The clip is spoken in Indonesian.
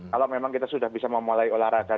kalau memang kita sudah bisa memulai olahraga